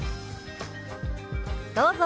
どうぞ。